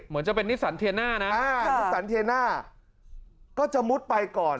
เหมือนจะเป็นนิสันเทียน่านะนิสันเทียน่าก็จะมุดไปก่อน